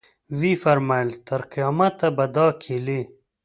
ویې فرمایل تر قیامته به دا کیلي.